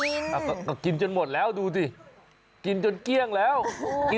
ง่วงก็ง่วงหิวก็หิวนมก็อยากกิน